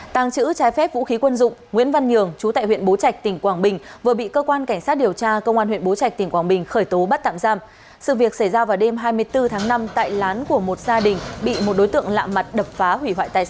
tàng trữ trái phép vũ khí quân dụng nguyễn văn nhường chú tại huyện bố trạch tỉnh quảng bình